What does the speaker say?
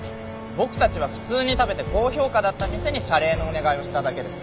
僕たちは普通に食べて高評価だった店に謝礼のお願いをしただけです。